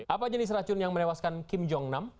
apa jenis racun yang menewaskan kim jong nam